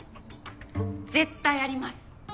絶対あります！